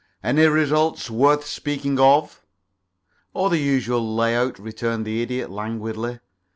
Any results worth speaking of?" "Oh, the usual lay out," returned the Idiot, languidly.